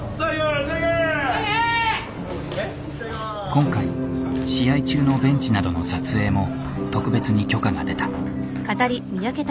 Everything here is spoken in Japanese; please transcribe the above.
今回試合中のベンチなどの撮影も特別に許可が出た。